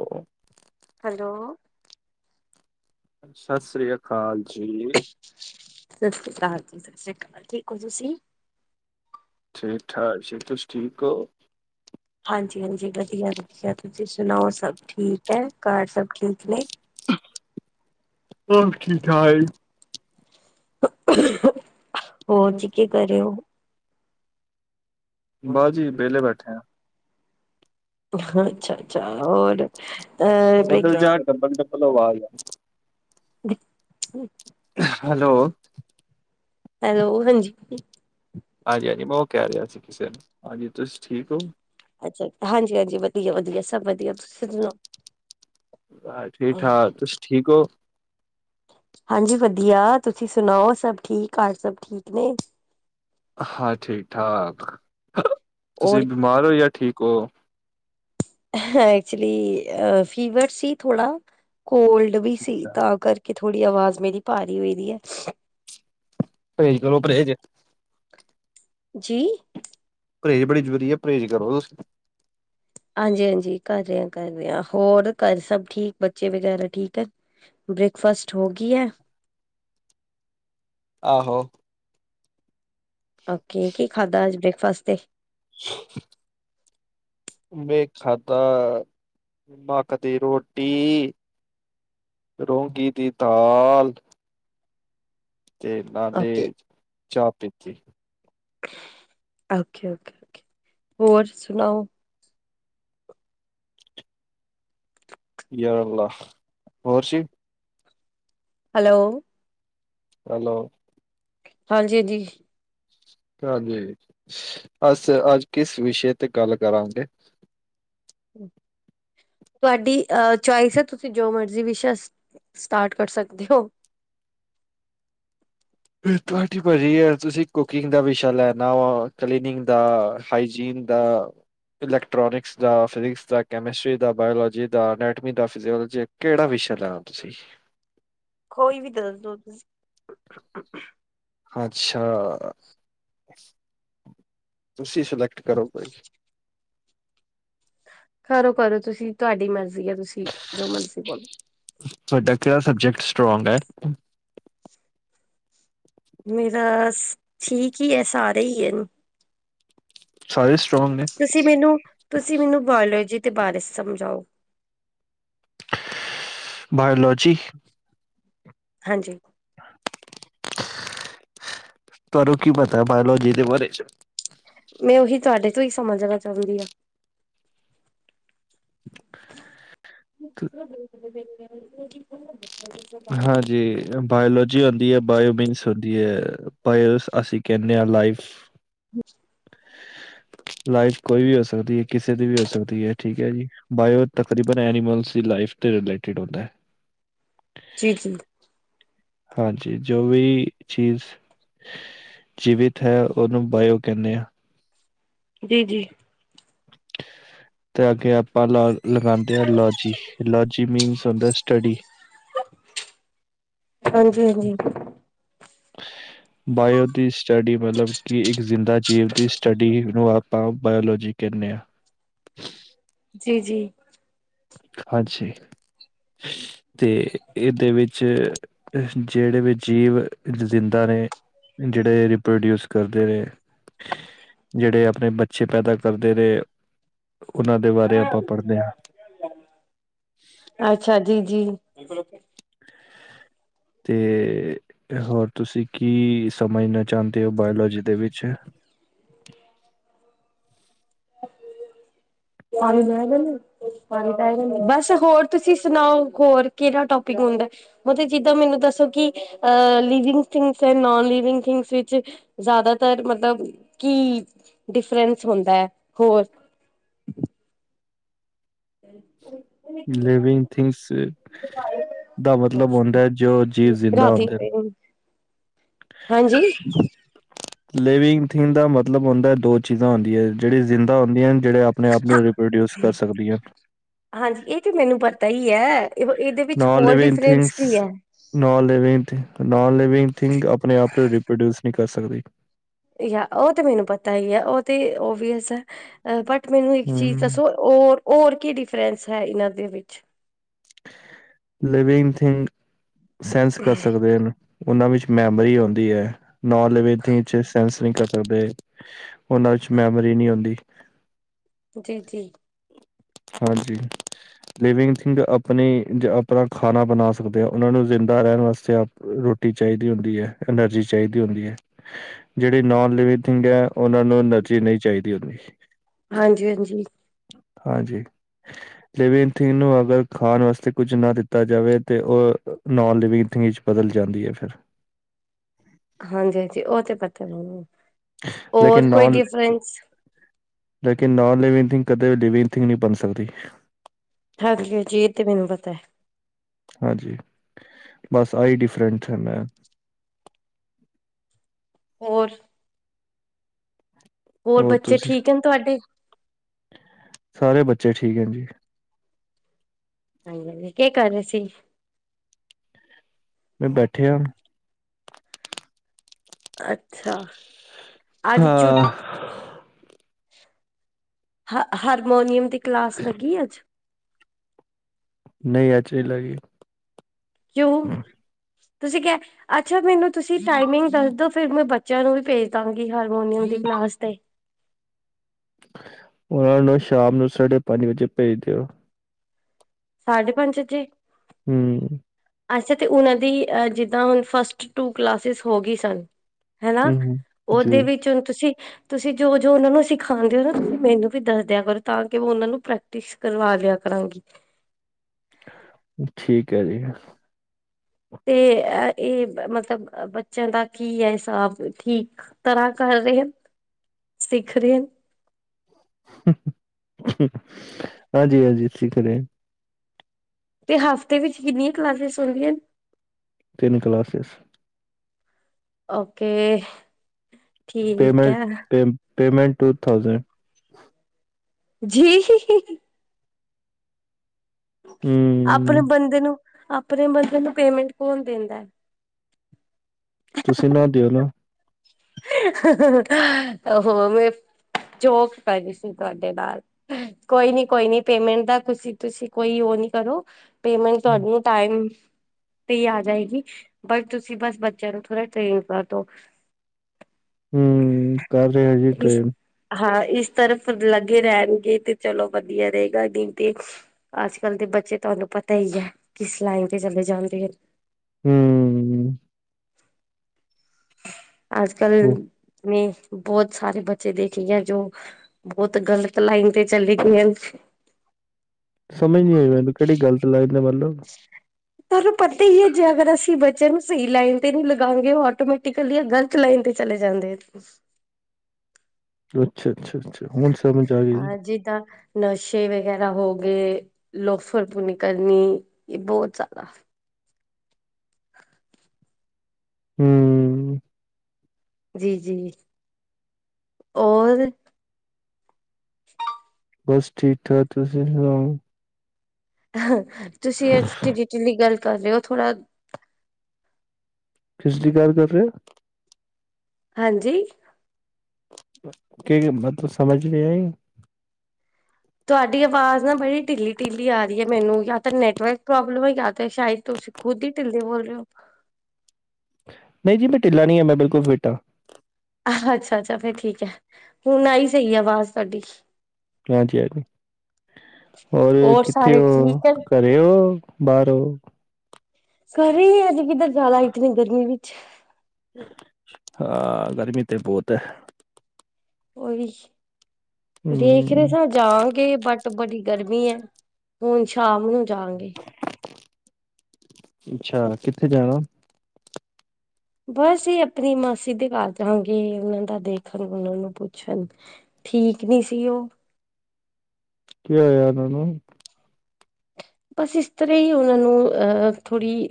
ਹੋਕ hello, ਸਤਿ ਸ੍ਰੀ ਅਕਾਲ ਜੀ, ਸਤਿ ਸ਼੍ਰੀ ਅਕਾਲ ਜੀ ਸਤਿ ਸ਼੍ਰੀ ਅਕਾਲ ਜੀ ਠੀਕ ਹੋ ਤੁਸੀਂ? ਠੀਕ ਠਾਕ ਜੀ ਤੁਸੀਂ ਠੀਕ ਹੋ? ਹਾਂਜੀ-ਹਾਂਜੀ, ਵਧੀਆ-ਵਧੀਆ, ਤੁਸੀਂ ਸੁਣਾਓ ਸਭ ਠੀਕ ਹੈ ਘਰ ਸਭ ਠੀਕ ਨੇ? ਸਭ ਠੀਕ ਠਾਏ, ਹੋਰ ਜੀ ਕੀ ਕਰ ਰਏ ਓ? ਬਾਸ ਜੀ ਵਿਹਲੇ ਬੈਠੇ ਹਾਂ, ਅੱਛਾ-ਅੱਛਾ, ਹੋਰ, ਅ ਉਧਰ ਜਾ ਡਬਲ ਡਬਲ ਆਵਾਜ਼ ਆ, ਹੈਲੋ, ਹੈਲੋ ਹਾਂਜੀ, ਹਾਂਜੀ-ਹਾਂਜੀ, ਮੈਂ ਉਹ ਕਹਿ ਰਿਹਾ ਸੀ ਕਿਸੇ ਨੂੰ ਹਾਂਜੀ ਤੁਸੀਂ ਠੀਕ ਹੋ? ਅੱਛਾ ਹਾਂਜੀ-ਹਾਂਜੀ ਵਧੀਆ-ਵਧੀਆ ਸਭ ਵਧੀਆ ਤੁਸੀਂ ਸੁਣਾ ਠੀਕ ਠਾਕ ਤੁਸੀਂ ਠੀਕ ਹੋ? ਹਾਂਜੀ ਵਧੀਆ ਤੁਸੀਂ ਸੁਣਾਓ ਸਭ ਠੀਕ ਘਰ ਸਭ ਠੀਕ ਨੇ, ਹਾਂ, ਠੀਕ ਠਾਕ ਤੁਸੀਂ ਔਰ ਬਿਮਾਰ ਹੋ ਜਾਂ ਠੀਕ ਹੋ, ਐਕਚੁਲੀ ਅ ਫੀਵਰ ਸੀ ਥੋੜਾ ਕੋਲਡ ਵੀ ਸੀ ਤਾਂ ਕਰ ਕਿ ਥੋੜ੍ਹੀ ਆਵਾਜ਼ ਮੇਰੀ ਭਾਰੀ ਹੋਈ ਦੀ ਹੈ, ਭਰਹੇਜ ਕਰੋ ਭਰਹੇਜ, ਜੀ, ਪਰਹੇਜ਼ ਬੜੀ ਜ਼ਰੂਰੀ ਹੈ ਪਰਹੇਜ਼ ਕਰੋ ਤੁਸੀਂ, ਹਾਂਜੀ-ਹਾਂਜੀ ਕਰ ਰਿਆ ਕਰ ਰਿਆ ਹੋਰ ਘਰ ਸਭ ਠੀਕ ਬੱਚੇ ਵਗੈਰਾ ਠੀਕ ਹੈ। ਬ੍ਰੇਕਫਾਸਟ ਹੋ ਗਈ ਹੈ, ਆਹੋ, ਓਕੇ ਕੀ ਖਾਧਾ ਅੱਜ ਬ੍ਰੇਕਫਾਸਟ ਤੇ, ਮੈ ਖਾਧਾ ਪਕ ਦੀ ਰੋਟੀ, ਰੋਂਗੀ ਦੀ ਦਾਲ, ਤੇ ਨਾਲੇ ਓਕੇ ਚਾਹ ਪੀਤੀ, ਓਕੇ, ਓਕੇ, ਓਕੇ, ਹੋਰ ਸੁਣਾਓ। ਗਿਆਰਾਂ ਲਾ ਹੋਰ ਸੀ, ਹੈਲੋ, ਹੈਲੋ। ਹਾਂਜੀ ਦੀ। ਹਾਂਜੀ ਅਸ ਅੱਜ ਕਿਸ ਵੀਸ਼ੇ ਤੇ ਗੱਲ ਕਰਾਂਗੇ? [unintelligible] ਤੁਆਡੀ ਆ ਚੋਇਸ ਆ ਤੁਸੀਂ ਜੋ ਮਰਜ਼ੀ ਵਿਸ਼ਾ ਸਟਾਰਟ ਕਰ ਸਕਦੇ ਓ। ਤੁਹਾਡੀ ਵਾਰੀ ਆ ਤੁਸੀਂ ਕੁਕਿੰਗ ਦਾ ਵਿਸ਼ਾ ਲੈਣਾ ਵਾ ਕਲੀਨਿੰਗ ਦਾ ਹਾਈਜੀਨ ਦਾ ਇਲੈਕਟ੍ਰੋਨਿਕਸ ਦਾ ਫਿਜਿਕਸ ਦਾ ਕੈਮਿਸਟਰੀ ਦਾ ਬਾਇਓਲੋਜੀ ਦਾ ਅਨੈਟਮੀ ਦਾ ਫਿਜ਼ਓਲੋਜੀ ਦਾ ਕੇਹੜਾ ਵਿਸ਼ੇ ਲੇਣਾ? ਤੁਸੀਂ ਕੋਈ ਵੀ ਦੱਸਦੋ ਤੁਸ [unintelligible] ਅੱਛਾ, ਤੁਸੀਂ ਸਲੈਕਟ ਕਰੋ ਕੁਝ। ਕਰੋ-ਕਰੋ ਤੁਸੀਂ ਤੁਹਾਡੀ ਮਰਜ਼ੀ ਆ ਤੁਸੀਂ, ਜੋ ਮਰਜ਼ੀ ਕਰੋ। ਤੁਆਡਾ ਤੇ ਸਬਜੈਕਟ ਸਟਰੋਂਗ ਐ? ਮੇਰਾ ਸ ਠੀਕ ਈ ਐ ਸਾਰੇ ਈ ਅਨ। ਸਾਰੇ ਸਟਰੋਂਗ ਨੇ? ਤੁਸੀਂ ਮੈਨੂੰ ਤੁਸੀਂ ਮੈਨੂੰ ਬਾਇਓਲੋਜੀ ਦੇ ਬਾਰੇ ਸਮਝਾਓ। ਬਾਏਓਲੋਜੀ? ਹਾਂਜੀ। ਤੁਆਨੂੰ ਕੀ ਪਤਾ ਏ ਬਾਏਓਲੋਜੀ ਦੇ ਬਾਰੇ ਚ? ਮੈਂ ਓਹੀ ਤਾਡੇ ਤੋਂ ਈ ਸਮਝਣਾ ਚੋਂਦੀ ਆ। [unintelligible] [unintelligible] ਹਾਂਜੀ ਬਾਇਓਲੋ ਜੀ ਹੁੰਦੀ ਐ ਬਏਓ ਬਿਨ ਸੋਡੀਐ, ਪਰ ਅਸੀਂ ਕੈਂਨੇ ਆ ਲਾਈਫ [inaudible] [unintelligible] ਲਾਈਫ ਕੋਈ ਵੀ ਹੋ ਸਕਦੀ ਐ ਕਿਸੇ ਦੀ ਵੀ ਹੋ ਸਕਦੀ ਐ ਠੀਕ ਐ ਜੀ, ਬਾਇਓ ਤਕਰੀਬਨ ਐਨੀਮਲ ਦੀ ਲਾਈਫ ਤੇ ਰਲੇਟਿਡ ਹੁੰਦਾ ਐ। ਜੀ-ਜੀ। ਹਾਂਜੀ ਜੋ ਵੀ, ਚੀਜ਼ ਜੀਵੀਤ ਹੈ ਓਨੂੰ ਬਾਏਓ ਕੈਂਨੇ ਆ। ਜੀ, ਜੀ। ਤੇ ਅੱਗੇ ਆਪਾਂ ਲਾ ਲਗਾਦੇ ਆਂ ਲੋਜੀ, ਲੋਜੀ ਜੀ ਮੀਨਸ ਹੁੰਦਾ ਸਟੱਡੀ। ਹਾਂਜੀ-ਹਾਂਜੀ। [inaudible] ਬਾਏਓ ਦੀ ਸਟੱਡੀ ਮਲਬ ਕੀ ਏਕ ਜ਼ਿੰਦਾ ਜੀਵ ਦੀ ਸਟੱਡੀ ਨੂੰ ਆਪਾਂ ਬਾਏਓਲੋਜੀ ਕੈਂਨੇ ਆ। ਜੀ-ਜੀ। ਹਾਂਜੀ। ਤੇ ਏਦੇ ਵੇਚ, ਜੇੜੇ ਵੀ ਜੀਵ, ਜਿੰਦਾ ਨੇ ਜੇੜੇ ਰੀਪਰਡੇਊਸ ਕਰਦੇ ਨੇ ਜੇੜੇ ਪਣੇ ਬੱਚੇ ਪੈਦਾ ਕਰਦੇ ਨੇ ਓਨਾਂ ਦੇ ਬਾਰੇ ਆਪਾਂ ਪੜਦੇ ਹਾਂ। ਅੱਛਾ ਜੀ ਜੀ। ਤੇ ਹੋਰ ਤੁਸੀਂ ਕੀ ਸਮਝਣਾ ਚਾਹੁੰਦੇ ਹੋ ਬਾਇਓਲੋਜੀ ਦੇ ਵਿੱਚ। ਪਰ ਲ। ਦਾ ਬਸ ਹੋਰ ਤੁਸੀਂ ਸੁਣਾਓ ਹੋਰ ਕਿਹੜਾ ਟੋਪਿਕ ਹੁੰਦਾ। ਮਤਬ ਜਿੱਦਾਂ ਮੈਨੂੰ ਦੱਸੋ ਕਿ ਅ ਲਿਵਿੰਗਥਿੰਗਸ ਨ ਲਿਵਿੰਗ ਿੰਗਸ ਵਿੱਚ। ਜ਼ਿਆਦਾਤਰ ਮਤਲਬ ਕੀ ਡਿਫਰੈਂਸ ਹੁੰਦਾ ਹੈ ਹੋਰ। ਅਤੇ ਹੋਰ। ਲਿਵਿੰਗ ਥਿੰਗਸ ਦਾ ਮਤਲਬ ਹੁੰਦਾ ਹੈ ਜੋ ਜੀਵ ਜਿੰਦਾ ਰਾਤੀ ਹੁੰਦੇ। ਹਾਂਜੀ। ਲਿਵਿੰਗ ਥਿੰਗ ਦਾ ਮਤਲਬ ਹੁੰਦਾ ਦੋ ਚੀਜ਼ਾਂ ਹੁੰਦੀਆਂ। ਜਿਹੜੀ ਜਿੰਦਾ ਹੁੰਦੀਆਂ ਜਿਹੜੇ ਆਪਣੇ ਆਪ ਨੂੰ ਰਪ੍ਰੋਡਿਊਸ ਕਰ ਸਕਦੀਆਂ। ਹਾਂਜੀ ਇਹ ਤੇ ਮੈਨੂੰ ਪਤਾ ਹੀ ਹੈ ਇਹਦੇ ਵਿੱਚ ਹੋਰ ਡਿਫਰੈਂਸ ਕੀ ਹੈ। ਨ ਲਿਵ ਨਨ ਲਿਵਿੰਗ ਥਿੰਗ ਆਪਣੇ ਆਪ ਨੂੰ ਰੀਪ੍ਰੋਡਿਊਸ ਨਹੀਂ ਕਰ ਸਕਦੀ। ਯ ਉਹ ਤੇ ਮੈਨੂੰ ਪਤਾ ਹੀ ਹੈ ਉਹ ਤੇ ਓਵੀਅਸ ਹੈ ਬਟ। ਮੈਨੂੰ ਇੱਕ ਚੀਜ਼ ਹੂੰ ਦੱਸੋ ਹੋਰ ਹੋਰ ਕੀ ਡਿਫਰੈਂਸ ਹੈ ਇਹਨਾਂ ਦੇ ਵਿੱਚ। ਲਿਵਿੰਗ ਥਿੰਗ ਸੈਂਸ ਕਰ ਸਕਦੇ ਹਨ। ਉਹਨਾਂ ਵਿੱਚ ਮੈਮਰੀ ਆਉਂਦੀ ਹੈ ਨੋ ਲਵੇਥਿੰਗ ਸੈਂ। ਕਰ ਸਕਦੇ ਉਹਨਾਂ ਵਿੱਚ ਮੈਮਰੀ ਨਹੀਂੀ ਆਉਂਦੀ। ਜੀ ਜੀ। ਹਾਂਜੀ। ਲਿਵਿੰਗ ਥਿੰਗ ਆਪਣੀ ਜ ਆਪਣਾ ਖਾਣਾ ਬਣਾ ਸਕਦੇ ਹਾਂ ਉਹਨਾਂ ਨੂੰ ਜ਼ਿੰਦਾ ਰਹਿਣ ਵਾਸਤੇ ਆਪ। ਰੋਟੀ ਚਾਹੀਦੀ ਹੁੰਦੀ ਹੈ ਐਨਰਜੀ ਚਾਹੀਦੀ ਹੁੰਦੀ ਹੈ ਜਹੜੀ ਨੋਾਨ ਲਿਵਿਥਿੰਗ ਹੈ। ਉਹਨਾਂ ਨੂੰ ਐਨਰਜੀ ਨਹੀਂ ਚਾਹੀਦੀ ਹੁੰਦੀ। ਹਾਂਜੀ ਹਾਂਜੀ। ਹਾਂਜੀ। ਲਿਵਿੰਨਥਿੰਗ ਨੂੰ ਅਗਰ ਖਾਣ ਵਾਸਤੇ ਕੁੱਝ ਨਾ ਦਿੱਤਾ ਜਾਵੇ ਤੇ ਉਹ। ਨੋਨ ਲਿਵਿੰਗ ਥਿੰਗ ' ਬਦਲ ਜਾਂਦੀ ਹੈ ਫਿਰ। ਹਾਂਜੀ ਹਾਂਜੀ ਉਹ ਤੇ ਪਤਾ ਬ। ਲੇਕਿ ਨੌ। ਲੇਕਿਨ ਨਨ ਲਵਿੰਗ ਥਿੰਕ ਕਦੇ ਵੀ ਲਿਵਿੰਗ ਥਿੰਕ ਨਹੀਂ ਬਣ ਸਕਦੀ। ਹਾਂਜੀ ਹਾਂਜੀ ਇਹ ਤੇ ਮੈਨੂੰ ਪਤਾ ਹੈ। ਹਾਂਜੀ ਬਸ ਆਹੀ ਡਿਫਰੈਂਟ ਹੈ ਮੈਂ। ਹੋਰ। ਹੋਰ ਬੱਚੇ ਠੀਕ ਨੇ ਤੁਹਾਡੇ। ਸਾਰੇ ਬੱਚੇ ਠੀਕ ਹੈ ਜੀ। ਹਾਂਜੀ ਹਾਂਜੀ ਕੀ ਕਰ ਰਹੇ ਸੀ। ਮੈਂ ਬੈਠੇਿਆ। ਅੱਛਾ ਅੱਜ ਝੂ। ਹਾਂ ਹ ਹਾਰਮੋਨੀਅਮ ਦੀ ਕਲਾਸ ਲੱਗੀ ਅੱਜ। ਨਹੀਂ ਅੱਛੀ ਲਗੀ। ਕਿਉ ਤੁਸੀਂ ਕ। ਅੱਛਾ ਮੈਨੂੰ ਤੁਸੀਂ ਟਾਈਮਿੰਗ ਦੱਸਦੋ ਫਿਰ ਮੈਂ ਬੱਚਿਆਂ ਨੂੰ ਵੀ ਭੇਜ ਦਾਂਗੀ ਹਾਰਮੋਨੀਅਮ ਦੀ ਕਲਾਸ ਤੇ। ਉਹਨਾਂ ਨੂੰ ਸ਼ਾਮ ਨੂੰ ਸਾਢੇ ਪੰਜ ਵਜੇ ਭੇਜ ਦਿਓ। ਸਾਢੇ ਪੰਜ ਚ। ਹਮ। ਅੱਛਾ ਤੇ, ਉਹਨਾਂ ਦੀ ਜਿੱਦਾਂ ਹੁਣ ਫਸਟ ਟੂ ਕਲਾਸਿਸ ਹੋ ਗਈ ਸਨ। ਹਨਾ, ਹੂੰ ਜੀ ਉਹਦੇ ਵਿੱਚ ਹੁਨ ਤੁਸੀਂ ਤੁਸੀਂ ਜੋ ਜੋ ਉਹਨਾਂ ਨੂੰ ਸਿਖਾਉਂਦੇ ਹੋ ਨਾ, ਤੁਸੀਂ ਮੈਨੂੰ ਵੀ ਦੱਸਦਿਆਂ ਕਰੋ ਤਾਂ ਕਿ ਮੈਂ ਉਹ ਉਹਨਾਂ ਨੂੰ ਪ੍ਰੈਕ ਟਿਸ ਕਰਵਾ ਦਿਆ ਕਰਾਂਗੀ। ਠੀਕ ਹੈ ਜੀ। ਤੇ ਇਹ ਮਤਲਬ ਬੱਚਿਆਂ ਦਾ ਕੀ ਹੈ ਹਿਸਾਬ, ਠੀਕ ਤਰਾ੍ਹਾਂ ਕਰ ਰਹੇ, ਸਿੱਖ ਰਹੇ? ਹਾਂਜੀ ਹਾਂਜੀ, ਸਿਖ ਰਹੇ। ਤੇ ਹਫ਼ਤੇ ਵਿੱਚ ਕਿੰਨੀਆਂ ਕਲਾਸਿਸ ਹੁੰਦੀਆਂ? ਤਿੰਨ ਕਲਾਸਿਸ ਓਕੇ। ਠੀਕ ਪੇਮੈਂਟ, ਹੈ ਪ ਪੇਮੈਂਟ ਟੂ ਥਾਊਜੈਂਡ। ਜੀ ਹਮ। ਆਪਨੇ ਬੰਦੇ ਨੂੰ, ਆਪਨੇ ਬੰਦੇ ਨੂੰ ਪੇਮੈਂਟ ਕੌਨ ਦਿੰਦੈ। ਤੁਸੀਂ ਨਾ ਦਿਓ ਨਾ ਓਹੋ ਮੈਂ ਜੋਕ ਕਰ ਰਈ ਸੀ ਤੁਆਡੇ ਨਾਲ। ਕੋਈ ਨੀ ਕੋਈ ਨੀ ਪੇਮੈਂਟ ਦਾ ਤੁਸੀ-ਤੁਸੀਂ ਕੋਈ ਓ ਨਾ ਕਰੋ ਪੇਮੈਂਟ ਤਆਨੂੰ ਟਾਈਮ ਤੇ ਈ ਆ ਜਾਏਗੀ ਬਟ ਤੁਸੀਂ ਬਸ ਬੱਚੇਆਂ ਨੂੰ ਥੋੜਾ ਟ੍ਰੇਂਡ ਕਰਦੋ। ਹੂੰ, ਕਰ ਰਿਆ ਜੀ ਇਸ ਟ੍ਰੇਂਡ। ਹਾਂ ਇਸ ਤਰਫ ਲੱਗੇ ਰੈਨਗੇ ਤੇ ਚਲੋ ਵਦੀਆ ਰਏਗਾ ਗਿਨਤੀ ਅੱਜ-ਕੱਲ ਦੇ ਬੱਚੇ ਤੁਆਨੂੰ ਪਤਾ ਈ ਐ ਕਿਸ ਲਾਈਨ ਤੇ ਚਲੇ ਜਾਂਦੇ ਐ। ਹੂੰ। ਅੱਜ-ਕੱਲ ਉਹ ਨੇ ਬੋਤ ਸਾਰੇ ਬੱਚੇ ਦੇਖਦੀ ਆਂ, ਜੋ ਬੋਤ ਗ਼ਲਤ ਲਾਈਨ ਤੇ ਚਲੇ ਗਏ। ਸਮਝ ਨੀ ਆਈ ਮੈਨੂੰ ਕੇੜੀ ਗਲਤ ਲਾਈਨ ਐ ਮਤਲਬ। ਤਾਨੂੰ ਪਤਾ ਈ ਐ ਜੇ ਅਗਰ ਅਸੀਂ ਬੱਚੇਆਂ ਨੂੰ ਸਈ ਲਾਈਨ ਤੇ ਨੀ ਲਗਾਵਾਂਗੇ ਓ ਆਟੋਮੈਟਿਕਲੀ ਅ ਗਲ ਗ਼ਲਤ ਲਾਈਨ ਤੇ ਚਲੇ ਜਾਂਦੇ ਐ। ਅੱਛਾ-ਅੱਛਾ-ਅੱਛਾ ਹੁਨ ਸਮਝ ਆਗੀ। ਹਾਂ ਜਿੱਦਾਂ ਨਸ਼ੇ ਵਗੈਰਾ ਹੋਗੇ, ਲੋਫਰਪੁਨੀ ਕਰਨੀ ਏ ਬਹੁ ਜ਼ਾਦਾ ਹੂੰ। ਜੀ-ਜੀ ਓਰ ਬਸ ਠੀਕ-ਠਾਕ ਤੁਸੀਂ ਸਨਾਓ। ਅਹੰ ਤੁਸੀਂ ਐਸਟੀਡੀਟੀ ਦੀ ਗੱਲ ਕਰ ਰਏ ਓਂ ਥੋੜਾ ਕਿਸਦੀ ਗੱਲ ਕਰ ਰਏ ਓਂ। ਹਾਂਜੀ। ਕਏਗੀ ਬਾਦ ਚ ਸਮਝ ਨੀ ਆਈ। ਤੁਆਡੀ ਆਵਾਜ਼ ਨਾ ਬੜੀ ਢਿੱਲੀ-ਢਿੱਲੀ ਆ ਰਈ ਐ ਮੈਨੂੰ ਜਾਂ ਤਾਂ ਨੈਟਵਰਕ ਪ੍ਰੋਬਲਮ ਐ ਜਾਂ ਤਾਂ ਸ਼ੈਦ ਤੁਸੀਂ ਖੁਦ ਹੀ ਢਿਲੇ ਬੋਲ ਰਹੇ ਹੋ ਨਹੀਂ ਜੀ ਮੈਂ ਢਿਲਾ ਨਹੀਂ ਹਾਂ, ਮੈਂ ਬਿਲਕੁਲ ਫਿਟ ਆ। ਅੱਛਾ ਅੱਛਾ ਫਿਰ ਠੀਕ ਹ, ਹੁਣ ਆਈ ਸਹੀ ਆਵਾਜ਼ ਤਾਡੀ ਹਾਂਜੀ ਹਾਂਜੀ, ਔਰ ਹੋਰ ਕਿੱਥੇ ਸਾਰੇ ਹੋ? ਠੀਕ ਹੈ। ਘਰ ਹੋ ਬਾਰੋ ੳ ਕਰ ਹੀ ਆ, ਕਿਦਰ ਜਾਨਾ ਇਤਨੀ ਗਰਮੀ ਵਿੱਚ ਹਾ, ਗਰਮੀ ਤੇ ਬਹੁਤ ਐ। ਉਹੀ, ਦੇਖ ਹੂੰ, ਰਹੇ ਜਾਵਾਂਗੇ ਬਟ ਬੜੀ ਗਰਮੀ ਹ, ਹੁਣ ਸ਼ਾਮ ਨੂੰ ਜਾਂਗੇ। ਅੱਛਾ! ਕਿੱਥੇ ਜਾਣਾ? ਅਸੀਂ ਆਪਣੀ ਮਾਸੀ ਦੇ ਕਰ ਜਾਂਗੀ, ੳਨਾ ਦਾ ਦੇਖਣ, ਪੁੱਛਣ ਠੀਕ ਨਹੀਂ ਸੀ ਉਹ। ਕੀ ਹੋਇਆ ਉਹਨਾ ਨੂੰ? ਬਸ ਇਸਤਰਾ ਉਹਨਾਂ ਨੂੰ, ਅ ਥੋੜੀ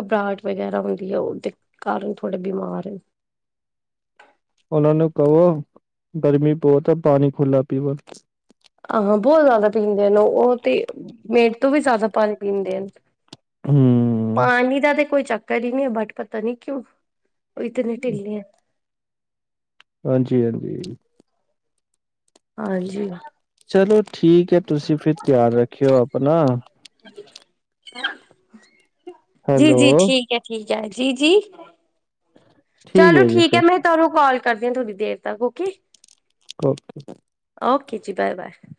ਘਬਰਾਹਟ ਵਗੈਰਾ ਹੁੰਦੀ ਹੈ। ਕਾਰਨ, ਥੋੜੇ ਬਿਮਾਰ ਹੈ। ਉਹਨਾਂ ਨੂੰ ਕਹੋ, ਗਰਮੀ ਬਹੁਤ ਪਾਣੀ ਖੁੱਲਾ ਪੀਵੋ ਤੁਸੀਂ ਹਾਂ ਬਹੁਤ ਜਿਆਦਾ ਪੀਂਦੇ ਨੇ ਉਹ ਤੇ, ਮੇਰੇ ਤੋਂ ਵੀ ਜਿਆਦਾ ਪਾਣੀ ਪੀਣ ਦੇ ਹੂੰ। ਪਾਣੀ ਦਾ ਤੇ ਕੋਈ ਚੱਕਰ ਹੀ ਨਹੀਂ, ਬਟ ਪਤਾ ਨਹੀਂ ਕਿੳ? ਇਤਨੇ ਢਿਲੇ ਹਾਂਜੀ, ਹਾਂਜੀ। ਹਾਂਜੀ ਚਲੋ ਠੀਕ ਹੈ, ਤੁਸੀਂ ਫਿਰ ਧਿਆਰ ਰੱਖਿਓ ਆਪਣਾ। ਜੀ ਹੈਲੋ ਜੀ ਠੀਕ ਹ ਠੀਕ ਹ, ਜੀ ਜੀ ਚਲੋ ਹੈ ਜੀ ਠੀਕ ਹ, ਫਿਰ ਮੈਂ ਤੁਹਾਨੂੰ ਕਾਲ ਕਰਦੀ ਥੋੜੀ ਦੇਰ ਤੱਕ ਓਕੇ। ਓਕੇ। ਓਕੇ ਜੀ, ਬਾਏ ਬਾਏ।